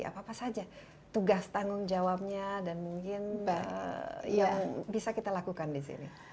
apa apa saja tugas tanggung jawabnya dan mungkin yang bisa kita lakukan di sini